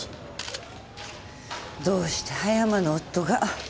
どうして葉山の夫が。